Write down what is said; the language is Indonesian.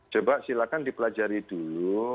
coba silakan dipelajari dulu